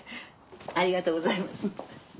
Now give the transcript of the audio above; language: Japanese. ありがとうございます。